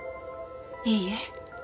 いいえ。